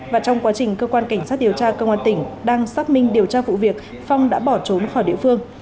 và trong quá trình cơ quan cảnh sát điều tra công an tỉnh đang xác minh điều tra vụ việc phong đã bỏ trốn khỏi địa phương